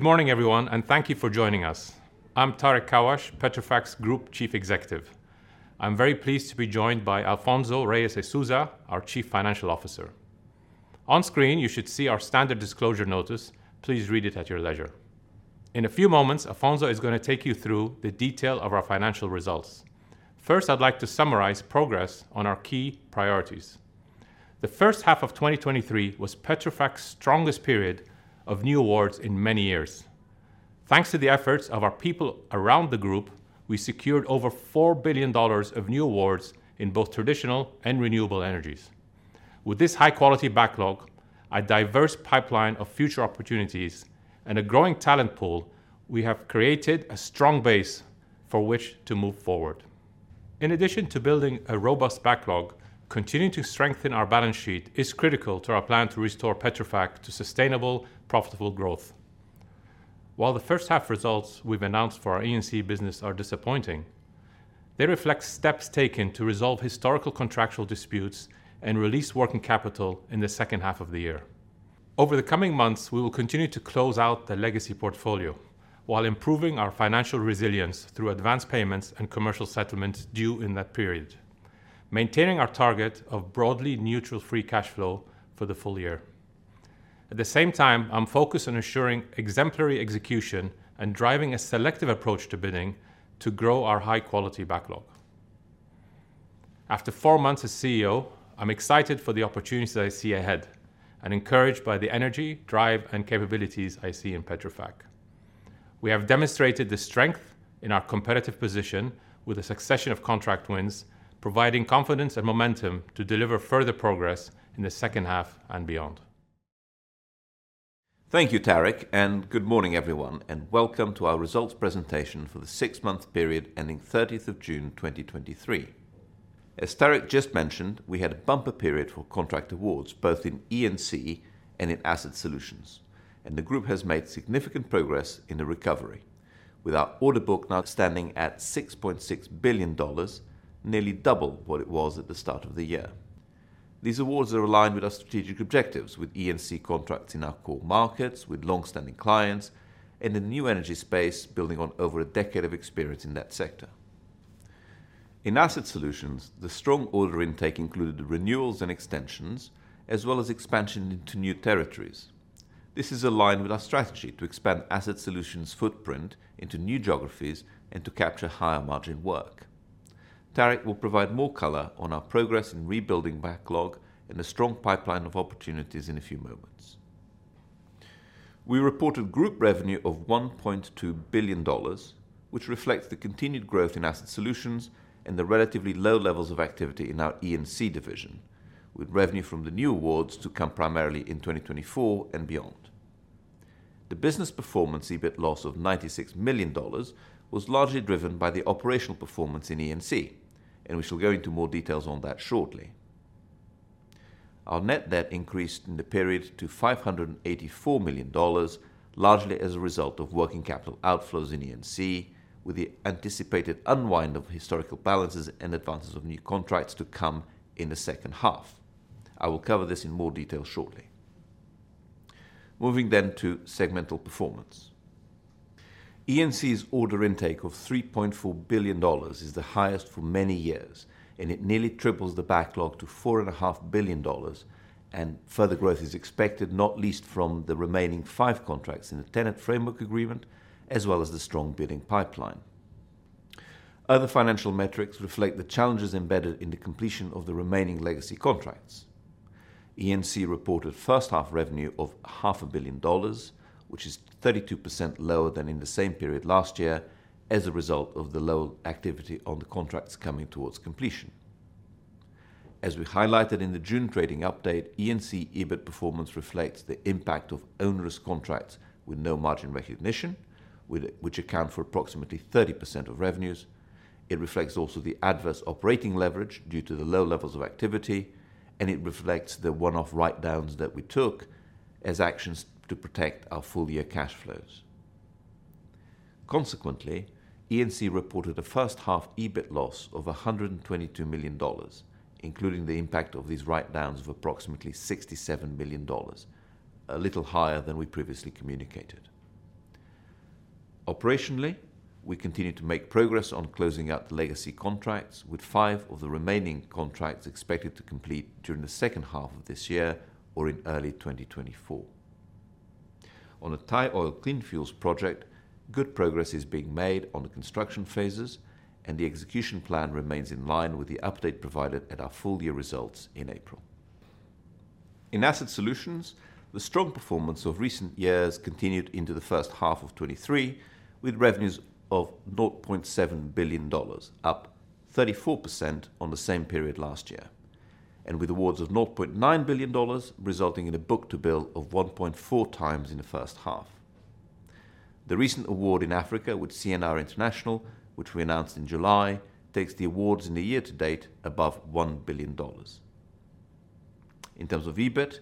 Good morning, everyone, thank you for joining us. I'm Tareq Kawash, Petrofac's Group Chief Executive. I'm very pleased to be joined by Afonso Reis e Sousa, our Chief Financial Officer. On screen, you should see our standard disclosure notice. Please read it at your leisure. In a few moments, Afonso is going to take you through the detail of our financial results. First, I'd like to summarize progress on our key priorities. The H1 of 2023 was Petrofac's strongest period of new awards in many years. Thanks to the efforts of our people around the group, we secured over $4 billion of new awards in both traditional and renewable energies. With this high-quality backlog, a diverse pipeline of future opportunities, and a growing talent pool, we have created a strong base for which to move forward. In addition to building a robust backlog, continuing to strengthen our balance sheet is critical to our plan to restore Petrofac to sustainable, profitable growth. While the H1 results we've announced for our E&C business are disappointing, they reflect steps taken to resolve historical contractual disputes and release working capital in the H2 of the year. Over the coming months, we will continue to close out the legacy portfolio while improving our financial resilience through advanced payments and commercial settlements due in that period, maintaining our target of broadly neutral free cash flow for the full year. At the same time, I'm focused on ensuring exemplary execution and driving a selective approach to bidding to grow our high-quality backlog. After four months as CEO, I'm excited for the opportunities I see ahead and encouraged by the energy, drive, and capabilities I see in Petrofac. We have demonstrated the strength in our competitive position with a succession of contract wins, providing confidence and momentum to deliver further progress in the H2 and beyond. Thank you, Tareq. Good morning everyone, and welcome to our results presentation for the 6-month period ending 30th of June, 2023. As Tareq just mentioned, we had a bumper period for contract awards, both in E&C and in Asset Solutions. The group has made significant progress in the recovery, with our order book now standing at $6.6 billion, nearly double what it was at the start of the year. These awards are aligned with our strategic objectives, with E&C contracts in our core markets, with long-standing clients, and in the new energy space, building on over a decade of experience in that sector. In Asset Solutions, the strong order intake included renewals and extensions, as well as expansion into new territories. This is aligned with our strategy to expand Asset Solutions' footprint into new geographies and to capture higher-margin work. Tareq will provide more color on our progress in rebuilding backlog and a strong pipeline of opportunities in a few moments. We reported group revenue of $1.2 billion, which reflects the continued growth in Asset Solutions and the relatively low levels of activity in our E&C division, with revenue from the new awards to come primarily in 2024 and beyond. The business performance EBIT loss of $96 million was largely driven by the operational performance in E&C, and we shall go into more details on that shortly. Our net debt increased in the period to $584 million, largely as a result of working capital outflows in E&C, with the anticipated unwind of historical balances and advances of new contracts to come in the H2. I will cover this in more detail shortly. Moving to segmental performance. E&C's order intake of $3.4 billion is the highest for many years. It nearly triples the backlog to $4.5 billion. Further growth is expected, not least from the remaining five contracts in the TenneT framework agreement, as well as the strong bidding pipeline. Other financial metrics reflect the challenges embedded in the completion of the remaining legacy contracts. E&C reported H1 revenue of $500 million, which is 32% lower than in the same period last year as a result of the low activity on the contracts coming towards completion. As we highlighted in the June trading update, E&C EBIT performance reflects the impact of onerous contracts with no margin recognition, which account for approximately 30% of revenues. It reflects also the adverse operating leverage due to the low levels of activity. It reflects the one-off write-downs that we took as actions to protect our full-year cash flows. Consequently, E&C reported a H1 EBIT loss of $122 million, including the impact of these write-downs of approximately $67 million, a little higher than we previously communicated. Operationally, we continued to make progress on closing out the legacy contracts, with five of the remaining contracts expected to complete during the H2 of this year or in early 2024. On a Thai Oil Clean Fuels Project, good progress is being made on the construction phases, and the execution plan remains in line with the update provided at our full-year results in April. In Asset Solutions, the strong performance of recent years continued into the H1 of 2023, with revenues of $0.7 billion, up 34% on the same period last year, and with awards of $0.9 billion, resulting in a book-to-bill of 1.4 times in the H1. The recent award in Africa with CNR International, which we announced in July, takes the awards in the year to date above $1 billion. In terms of EBIT,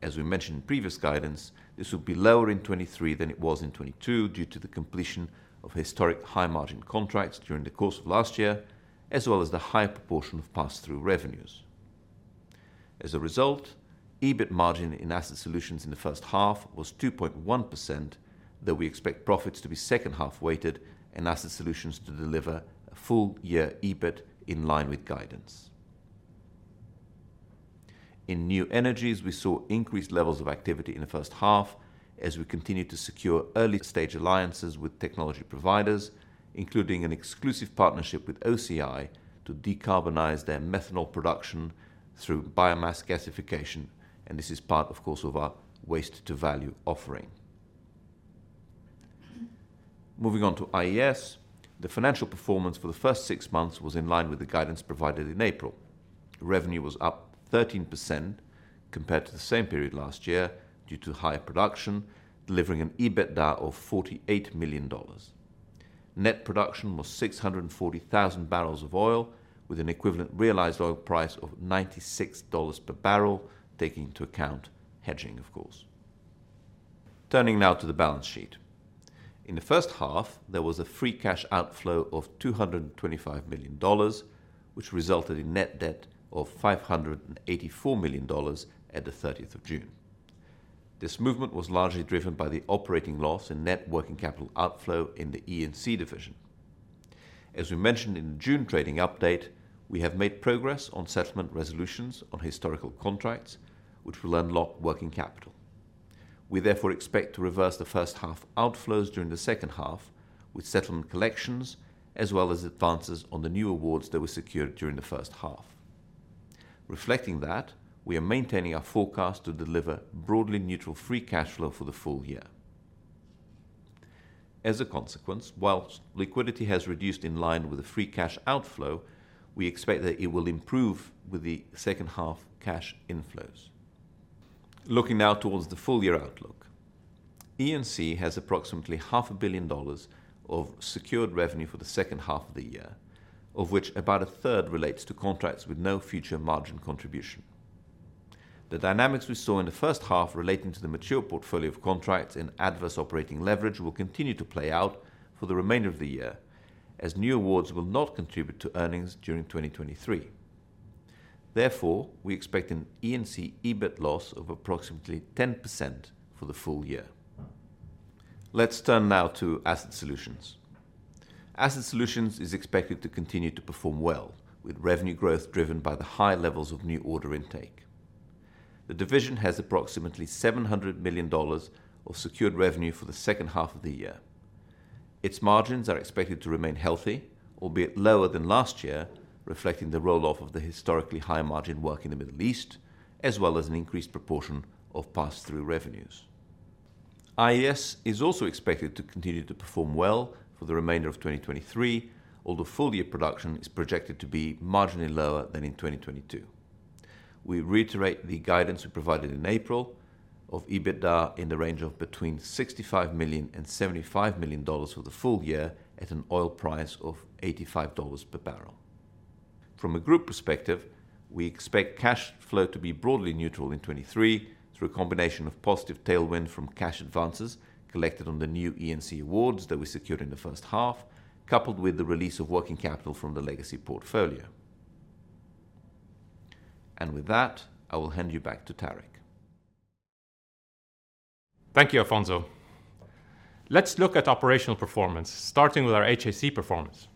as we mentioned in previous guidance, this will be lower in 2023 than it was in 2022 due to the completion of historic high-margin contracts during the course of last year, as well as the higher proportion of pass-through revenues. As a result, EBIT margin in Asset Solutions in the H1 was 2.1%, though we expect profits to be second-half weighted and Asset Solutions to deliver a full year EBIT in line with guidance. In new energies, we saw increased levels of activity in the H1 as we continued to secure early-stage alliances with technology providers, including an exclusive partnership with OCI to decarbonize their methanol production through biomass gasification. This is part, of course, of our waste-to-value offering. Moving on to IES, the financial performance for the first six months was in line with the guidance provided in April. Revenue was up 13% compared to the same period last year due to higher production, delivering an EBITDA of $48 million. Net production was 640,000 barrels of oil, with an equivalent realized oil price of $96 per barrel, taking into account hedging, of course. Turning now to the balance sheet. In the H1, there was a free cash outflow of $225 million, which resulted in net debt of $584 million at the 30th of June. This movement was largely driven by the operating loss and net working capital outflow in the E&C division. As we mentioned in the June trading update, we have made progress on settlement resolutions on historical contracts, which will unlock working capital. We therefore expect to reverse the H1 outflows during the H2 with settlement collections, as well as advances on the new awards that were secured during the H1. Reflecting that, we are maintaining our forecast to deliver broadly neutral free cash flow for the full year. As a consequence, whilst liquidity has reduced in line with the free cash outflow, we expect that it will improve with the second-half cash inflows. Looking now towards the full-year outlook. E&C has approximately $500 million of secured revenue for the H2 of the year, of which about one-third relates to contracts with no future margin contribution. The dynamics we saw in the H1 relating to the mature portfolio of contracts and adverse operating leverage will continue to play out for the remainder of the year, as new awards will not contribute to earnings during 2023. Therefore, we expect an E&C EBIT loss of approximately 10% for the full year. Let's turn now to Asset Solutions. Asset Solutions is expected to continue to perform well, with revenue growth driven by the high levels of new order intake. The division has approximately $700 million of secured revenue for the H2 of the year. Its margins are expected to remain healthy, albeit lower than last year, reflecting the roll-off of the historically high-margin work in the Middle East, as well as an increased proportion of pass-through revenues. IES is also expected to continue to perform well for the remainder of 2023, although full-year production is projected to be marginally lower than in 2022. We reiterate the guidance we provided in April of EBITDA in the range of between $65 million and $75 million for the full year at an oil price of $85 per barrel. From a group perspective, we expect cash flow to be broadly neutral in 2023 through a combination of positive tailwind from cash advances collected on the new E&C awards that we secured in the H1, coupled with the release of working capital from the legacy portfolio. With that, I will hand you back to Tareq. Thank you, Afonso. Let's look at operational performance, starting with our HSE performance.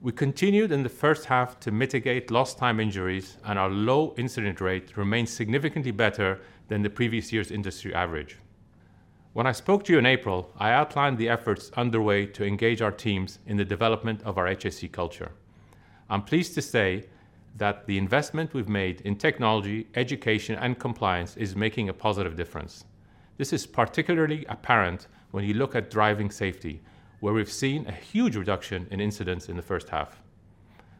We continued in the 1st half to mitigate lost time injuries, and our low incident rate remains significantly better than the previous year's industry average. When I spoke to you in April, I outlined the efforts underway to engage our teams in the development of our HSE culture. I'm pleased to say that the investment we've made in technology, education, and compliance is making a positive difference. This is particularly apparent when you look at driving safety, where we've seen a huge reduction in incidents in the 1st half.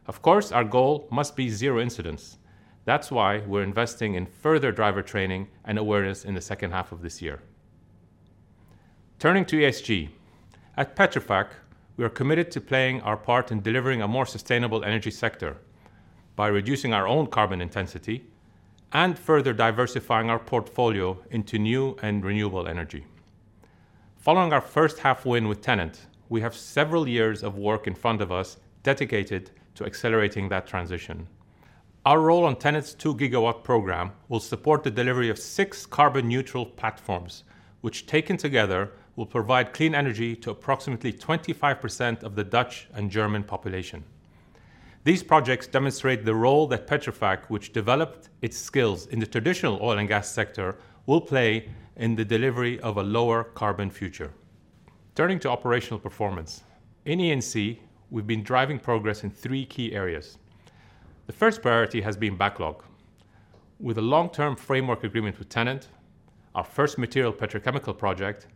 Of course, our goal must be zero incidents. That's why we're investing in further driver training and awareness in the 2nd half of this year. Turning to ESG. At Petrofac, we are committed to playing our part in delivering a more sustainable energy sector by reducing our own carbon intensity and further diversifying our portfolio into new and renewable energy. Following our H1 win with TenneT, we have several years of work in front of us dedicated to accelerating that transition. Our role on TenneT's 2-gigawatt program will support the delivery of six carbon-neutral platforms, which, taken together, will provide clean energy to approximately 25% of the Dutch and German population. These projects demonstrate the role that Petrofac, which developed its skills in the traditional oil and gas sector, will play in the delivery of a lower carbon future. Turning to operational performance. In E&C, we've been driving progress in three key areas. The first priority has been backlog. With a long-term framework agreement with TenneT, our first material petrochemical project,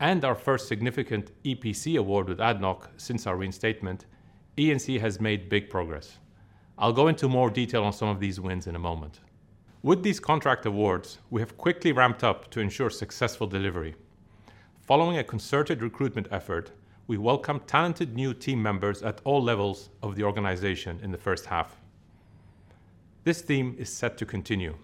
and our first significant EPC award with ADNOC since our reinstatement, E&C has made big progress. I'll go into more detail on some of these wins in a moment. With these contract awards, we have quickly ramped up to ensure successful delivery. Following a concerted recruitment effort, we welcomed talented new team members at all levels of the organization in the H1. This theme is set to continue.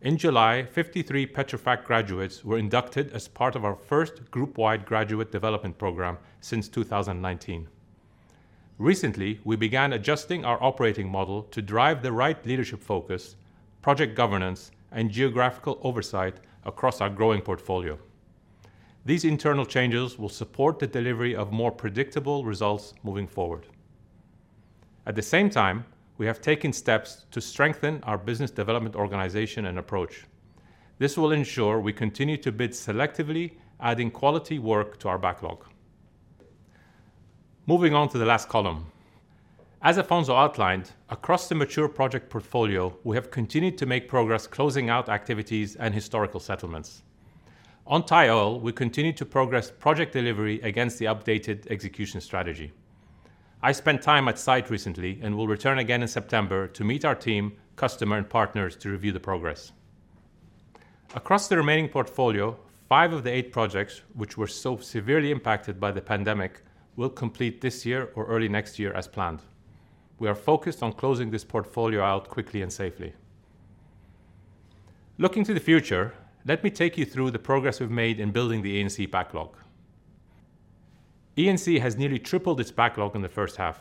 In July, 53 Petrofac graduates were inducted as part of our first group-wide graduate development program since 2019. Recently, we began adjusting our operating model to drive the right leadership focus, project governance, and geographical oversight across our growing portfolio. These internal changes will support the delivery of more predictable results moving forward. At the same time, we have taken steps to strengthen our business development organization and approach. This will ensure we continue to bid selectively, adding quality work to our backlog. Moving on to the last column. As Alfonso outlined, across the mature project portfolio, we have continued to make progress closing out activities and historical settlements. On Thai Oil, we continue to progress project delivery against the updated execution strategy. I spent time at site recently and will return again in September to meet our team, customer, and partners to review the progress. Across the remaining portfolio, five of the eight projects, which were so severely impacted by the pandemic, will complete this year or early next year as planned. We are focused on closing this portfolio out quickly and safely. Looking to the future, let me take you through the progress we've made in building the E&C backlog. E&C has nearly tripled its backlog in the H1.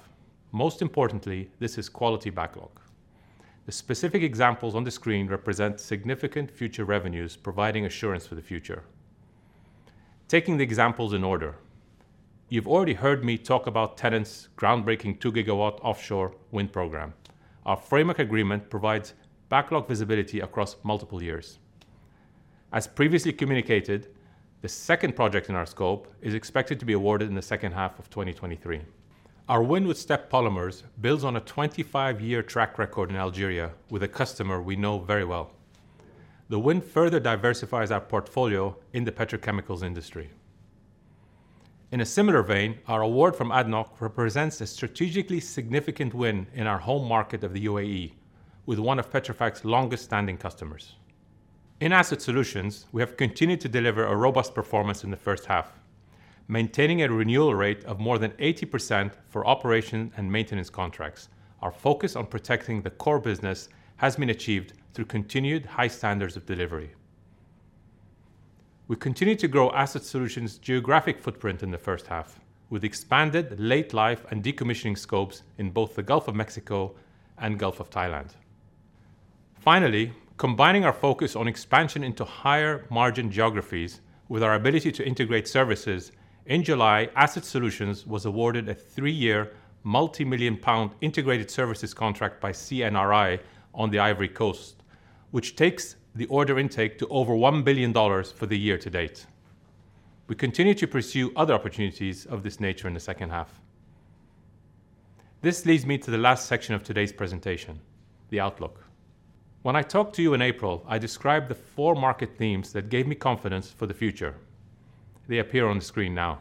Most importantly, this is quality backlog. The specific examples on the screen represent significant future revenues, providing assurance for the future. Taking the examples in order, you've already heard me talk about TenneT's groundbreaking 2-gigawatt offshore wind program. Our framework agreement provides backlog visibility across multiple years. As previously communicated, the second project in our scope is expected to be awarded in the H2 of 2023. Our win with STEP Polymers builds on a 25-year track record in Algeria with a customer we know very well. The win further diversifies our portfolio in the petrochemicals industry. In a similar vein, our award from ADNOC represents a strategically significant win in our home market of the UAE, with one of Petrofac's longest-standing customers. In Asset Solutions, we have continued to deliver a robust performance in the H1, maintaining a renewal rate of more than 80% for operation and maintenance contracts. Our focus on protecting the core business has been achieved through continued high standards of delivery. We continued to grow Asset Solutions' geographic footprint in the H1 with expanded late life and decommissioning scopes in both the Gulf of Mexico and Gulf of Thailand. Combining our focus on expansion into higher margin geographies with our ability to integrate services, in July, Asset Solutions was awarded a three-year, GBP multimillion integrated services contract by CNRI on the Ivory Coast, which takes the order intake to over $1 billion for the year to date. We continue to pursue other opportunities of this nature in the H2. This leads me to the last section of today's presentation, the outlook. When I talked to you in April, I described the four market themes that gave me confidence for the future. They appear on the screen now.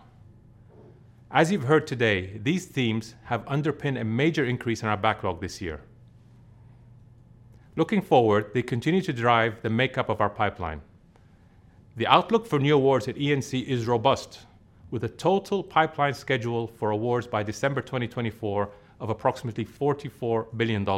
As you've heard today, these themes have underpinned a major increase in our backlog this year. Looking forward, they continue to drive the makeup of our pipeline. The outlook for new awards at E&C is robust, with a total pipeline schedule for awards by December 2024 of approximately $44 billion.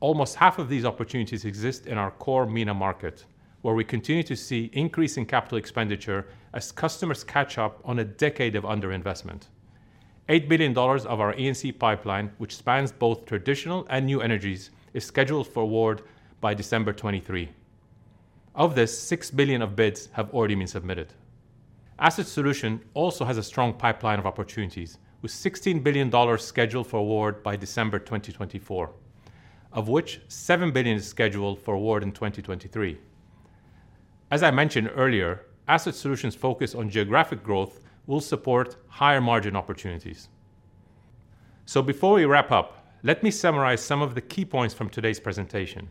Almost half of these opportunities exist in our core MENA market, where we continue to see increasing capital expenditure as customers catch up on a decade of underinvestment. $8 billion of our E&C pipeline, which spans both traditional and new energies, is scheduled for award by December 2023. Of this, $6 billion of bids have already been submitted. Asset Solutions also has a strong pipeline of opportunities, with $16 billion scheduled for award by December 2024, of which $7 billion is scheduled for award in 2023. As I mentioned earlier, Asset Solutions' focus on geographic growth will support higher margin opportunities. Before we wrap up, let me summarize some of the key points from today's presentation.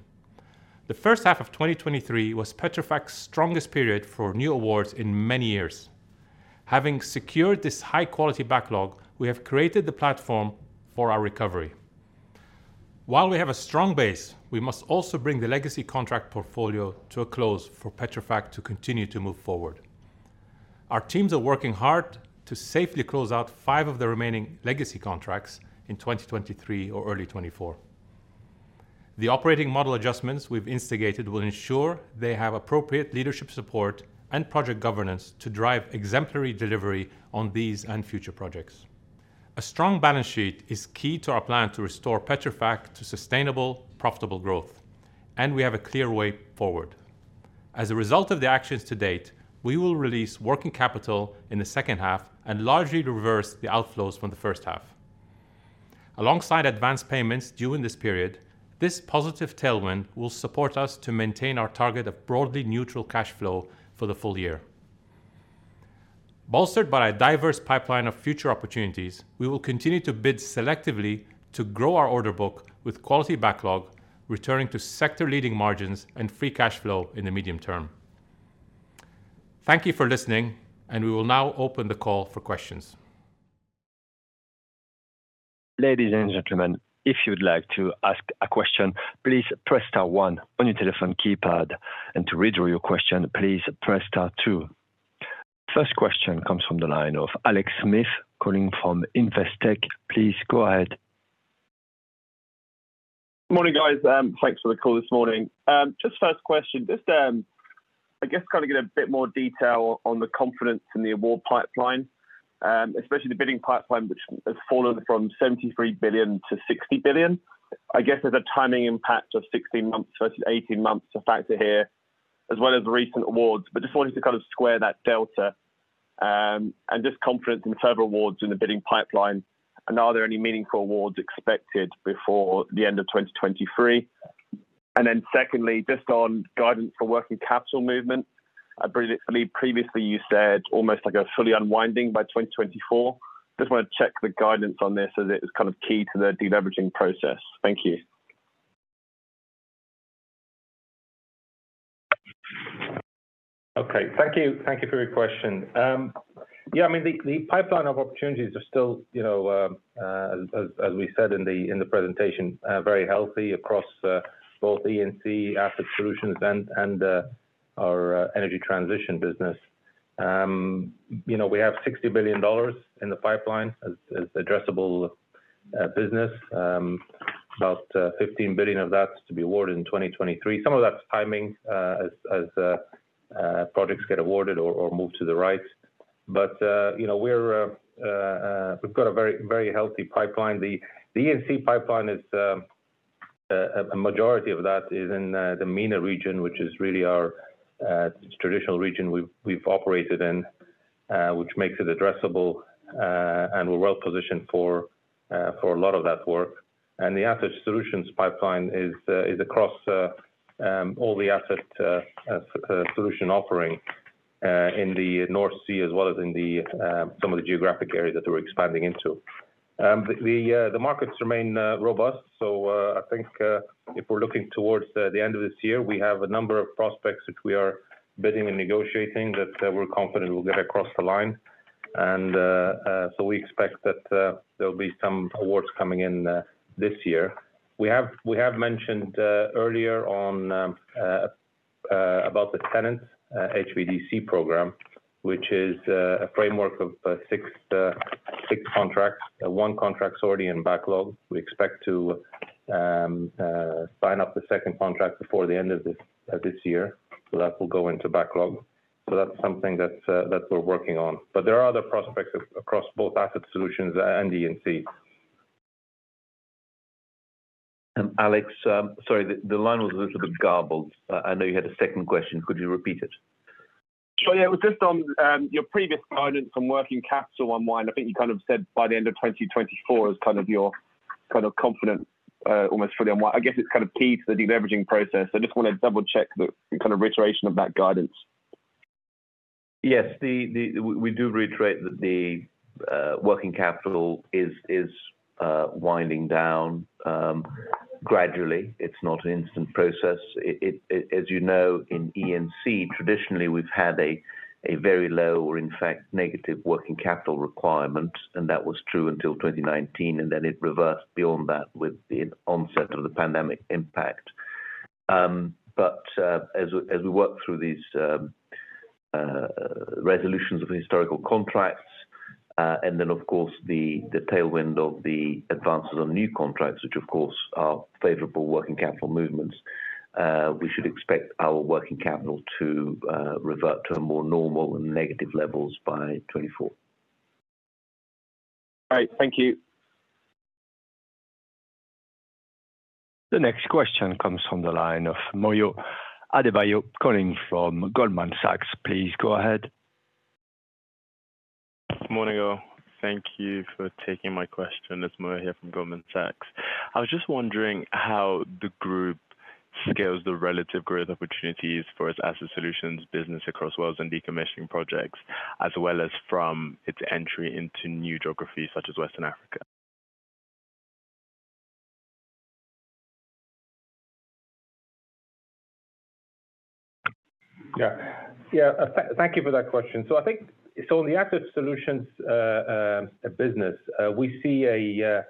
The H1 of 2023 was Petrofac's strongest period for new awards in many years. Having secured this high-quality backlog, we have created the platform for our recovery. While we have a strong base, we must also bring the legacy contract portfolio to a close for Petrofac to continue to move forward. Our teams are working hard to safely close out five of the remaining legacy contracts in 2023 or early 2024. The operating model adjustments we've instigated will ensure they have appropriate leadership support and project governance to drive exemplary delivery on these and future projects. A strong balance sheet is key to our plan to restore Petrofac to sustainable, profitable growth. We have a clear way forward. As a result of the actions to date, we will release working capital in the H2 and largely reverse the outflows from the H1. Alongside advanced payments due in this period, this positive tailwind will support us to maintain our target of broadly neutral cash flow for the full year. Bolstered by a diverse pipeline of future opportunities, we will continue to bid selectively to grow our order book with quality backlog, returning to sector-leading margins and free cash flow in the medium term. Thank you for listening. We will now open the call for questions. Ladies and gentlemen, if you'd like to ask a question, please press star one on your telephone keypad, and to withdraw your question, please press star two. First question comes from the line of Alex Smith, calling from Investec. Please go ahead. Morning, guys. Thanks for the call this morning. Just first question, just, I guess, kind of get a bit more detail on the confidence in the award pipeline, especially the bidding pipeline, which has fallen from $73 billion to $60 billion. I guess there's a timing impact of 16 months versus 18 months to factor here, as well as recent awards. Just wanted to kind of square that delta, and just confidence in several awards in the bidding pipeline, and are there any meaningful awards expected before the end of 2023? Then secondly, just on guidance for working capital movement. I believe previously you said almost like a fully unwinding by 2024. Just want to check the guidance on this as it is kind of key to the deleveraging process. Thank you. Okay, thank you. Thank you for your question. The pipeline of opportunities are still, you know, as we said in the presentation, very healthy across both E&C, Asset Solutions and our energy transition business. You know, we have $60 billion in the pipeline as addressable business. $15 billion of that to be awarded in 2023. Some of that's timing, as projects get awarded or moved to the right. You know, we've got a very, very healthy pipeline. The E&C pipeline is, a majority of that is in the MENA region, which is really our traditional region we've, we've operated in, which makes it addressable, and we're well positioned for a lot of that work. The Asset Solutions pipeline is across all the Asset Solutions offering in the North Sea, as well as in some of the geographic areas that we're expanding into. The markets remain robust. I think if we're looking towards the end of this year, we have a number of prospects which we are bidding and negotiating, that we're confident we'll get across the line. We expect that there'll be some awards coming in this year. We have, we have mentioned earlier on, about the TenneT HVDC program, which is a framework of six contracts. One contract is already in backlog. We expect to sign up the second contract before the end of this year, so that will go into backlog. That's something that we're working on. There are other prospects across both Asset Solutions and E&C. Alex, sorry, the, the line was a little bit garbled. I know you had a second question. Could you repeat it? Sure, yeah. It was just on your previous guidance on working capital, on why I think you kind of said by the end of 2024 is kind of your kind of confident, almost fully on. I guess it's kind of key to the deleveraging process. I just want to double-check the kind of reiteration of that guidance. Yes, we do reiterate that the working capital is winding down gradually. It's not an instant process. As you know, in E&C, traditionally, we've had a very low or in fact, negative working capital requirement, and that was true until 2019, and then it reversed beyond that with the onset of the pandemic impact. As we work through these resolutions of historical contracts, and then, of course, the tailwind of the advances on new contracts, which, of course, are favorable working capital movements, we should expect our working capital to revert to a more normal and negative levels by 2024. All right. Thank you. The next question comes from the line of Moyo Adebayo, calling from Goldman Sachs. Please go ahead. Morning, all. Thank you for taking my question. It's Moyo here from Goldman Sachs. I was just wondering how the group scales the relative growth opportunities for its Asset Solutions business across wells and decommissioning projects, as well as from its entry into new geographies such as Western Africa. Yeah. Yeah, thank you for that question. In the Asset Solutions business, we see a,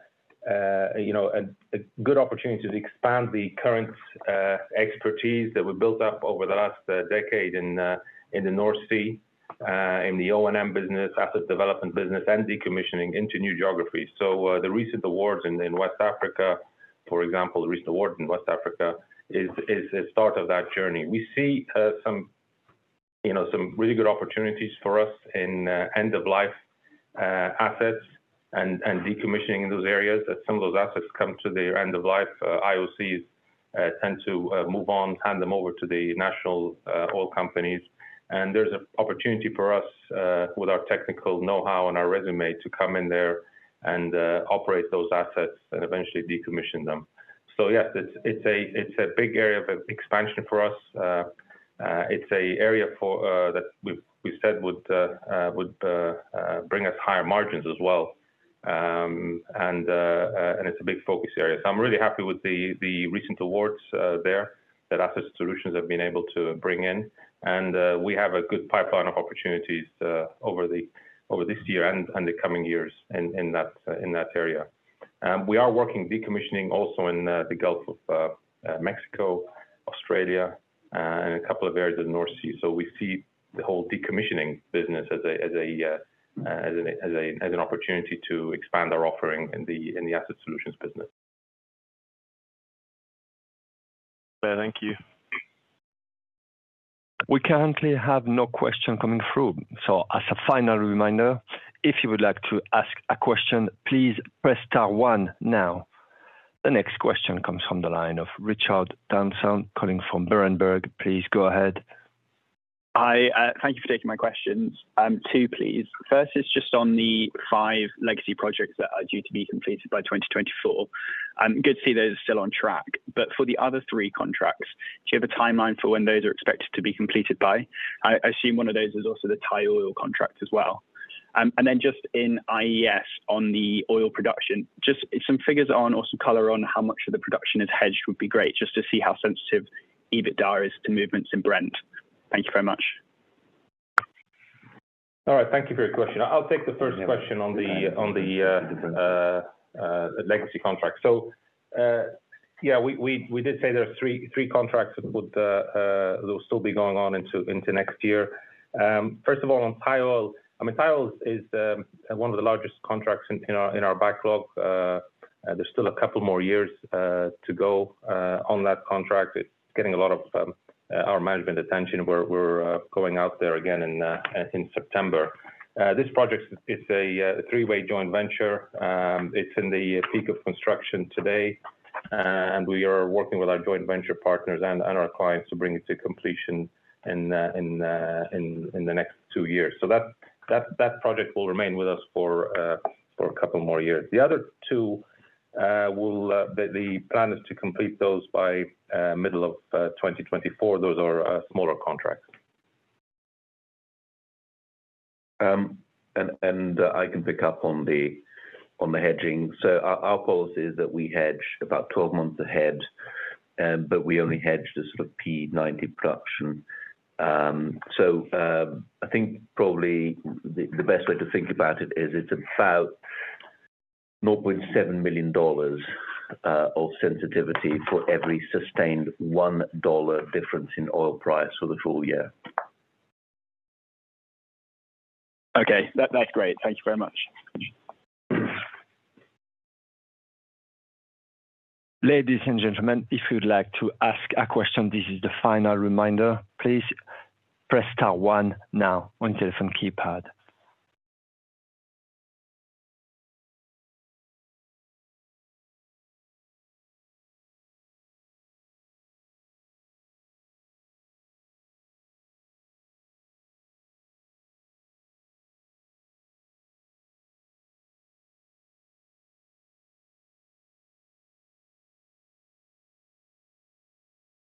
you know, a good opportunity to expand the current expertise that we built up over the last decade in the North Sea, in the O&M business, asset development business, and decommissioning into new geographies. The recent awards in West Africa, for example, the recent award in West Africa is, is a start of that journey. We see some, you know, some really good opportunities for us in end-of-life assets and decommissioning in those areas. As some of those assets come to their end of life, IOCs tend to move on, hand them over to the national oil companies. There's an opportunity for us, with our technical know-how and our résumé, to come in there and operate those assets and eventually decommission them. Yeah, it's, it's a, it's a big area of expansion for us. It's a area for that we've, we said would, would bring us higher margins as well. It's a big focus area. I'm really happy with the, the recent awards there, that Asset Solutions have been able to bring in. We have a good pipeline of opportunities over the, over this year and, and the coming years in, in that, in that area. We are working decommissioning also in the Gulf of Mexico, Australia, and a couple of areas in the North Sea. We see the whole decommissioning business as a, as a, as a, as a, as an opportunity to expand our offering in the, in the Asset Solutions business. Thank you. We currently have no question coming through. As a final reminder, if you would like to ask a question, please press star one now. The next question comes from the line of Richard Ryan, calling from Berenberg. Please go ahead. Hi, thank you for taking my questions. Two, please. First is just on the five legacy projects that are due to be completed by 2024. Good to see those are still on track, but for the other three contracts, do you have a timeline for when those are expected to be completed by? I, I assume one of those is also the Thai Oil contract as well. Then just in IES on the oil production, just some figures on or some color on how much of the production is hedged would be great, just to see how sensitive EBITDA is to movements in Brent. Thank you very much. All right, thank you for your question. I'll take the first question on the, on the legacy contract. Yeah, we, we, we did say there are three, three contracts that would will still be going on into, into next year. First of all, on Thai Oil, I mean, Thai Oil is one of the largest contracts in our, in our backlog. There's still a couple more years to go on that contract. It's getting a lot of our management attention. We're, we're going out there again in September. This project is a three-way joint venture. It's in the peak of construction today, and we are working with our joint venture partners and our clients to bring it to completion in the next two years. That project will remain with us for a couple more years. The other two will, the plan is to complete those by middle of 2024. Those are smaller contracts. I can pick up on the, on the hedging. Our policy is that we hedge about 12 months ahead, but we only hedge the sort of P90 production. I think probably the best way to think about it is it's about $9.7 million of sensitivity for every sustained $1 difference in oil price for the full year. Okay. That's great. Thank you very much. Ladies and gentlemen, if you'd like to ask a question, this is the final reminder. Please press star one now on your telephone keypad.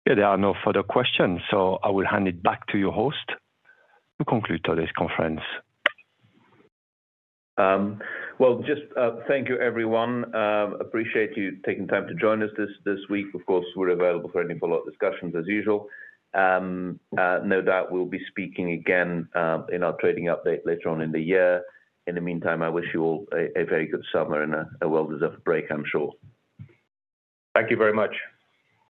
If there are no further questions, I will hand it back to your host to conclude today's conference. Well, just, thank you, everyone. Appreciate you taking time to join us this, this week. Of course, we're available for any follow-up discussions as usual. No doubt, we'll be speaking again in our trading update later on in the year. In the meantime, I wish you all a very good summer and a well-deserved break, I'm sure. Thank you very much.